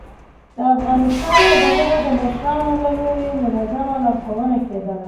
ه افغانستانه د هغو د مشرانو له لوري منظمه لارښوونه کېدله